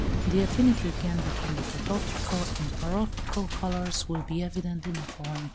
The affinity again between the catoptrical and paroptical colours will be evident in the following chapter.